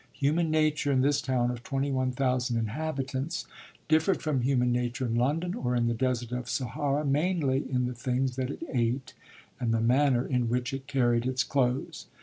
Human nature in this town of twenty one thousand inhabitants differed from human nature in London or in the Desert of Sahara mainly in the things that it ate and the manner in which it carried its clothes.